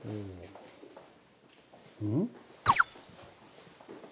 うん？